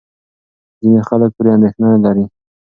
ځینې خلک پرې اندېښنه لري.